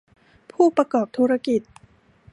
ผู้ประกอบธุรกิจ